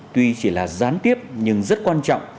tuy chỉ là gián tiếp nhưng rất quan trọng